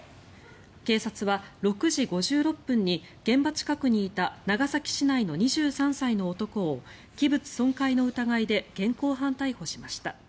警察は６時５６分に現場近くにいた長崎市内の２３歳の男を器物損壊の疑いで現行犯逮捕しました。